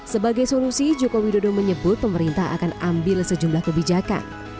sebagai solusi joko widodo menyebut pemerintah akan ambil sejumlah kebijakan